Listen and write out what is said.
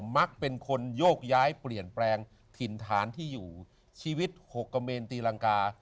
มักเป็นคนโยกย้ายเปลี่ยนแปลงถิ่นฐานที่อยู่ชีวิตหกกระเมนตีรังกา